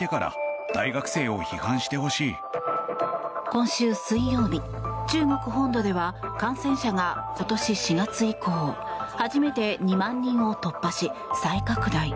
今週水曜日、中国本土では感染者が今年４月以降初めて２万人を突破し、再拡大。